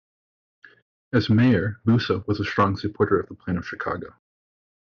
As mayor, Busse was a strong supporter of the Plan of Chicago.